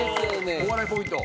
お笑いポイント。